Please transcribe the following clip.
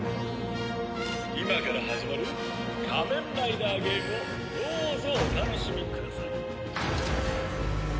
「今から始まる仮面ライダーゲームをどうぞお楽しみください」